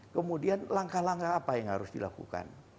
kemudian langkah langkah apa yang harus dilakukan